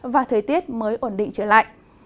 và thời tiết mới ổn định trở lại